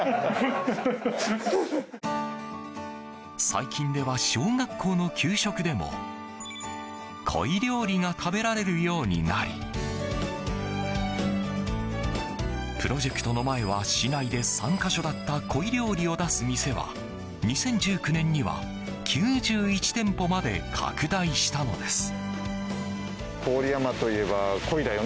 最近では小学校の給食でも鯉料理が食べられるようになりプロジェクトの前は市内で３か所だった鯉料理を出す店は２０１９年には９１店舗まで拡大したのです。